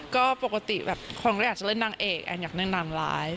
ก็ปกติแบบคนก็อยากจะเล่นนางเอกแอนอยากเล่นนางร้าย